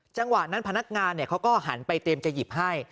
จังหวะนั้นพนักงานเขาก็หันไปเตรียมจะหยิบให้